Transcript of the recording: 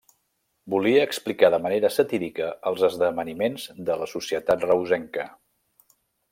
Volia explicar de manera satírica els esdeveniments de la societat reusenca.